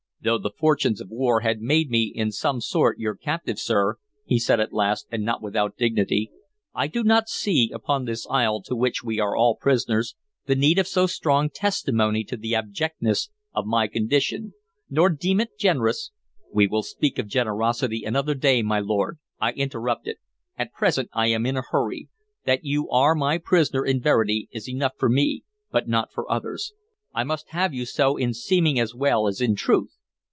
"Though the fortunes of war have made me in some sort your captive, sir," he said at last, and not without dignity, "I do not see, upon this isle to which we are all prisoners, the need of so strong testimony to the abjectness of my condition, nor deem it generous" "We will speak of generosity another day, my lord," I interrupted. "At present I am in a hurry. That you are my prisoner in verity is enough for me, but not for others. I must have you so in seeming as well as in truth.